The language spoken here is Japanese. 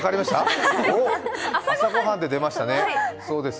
朝ご飯で出ましたね。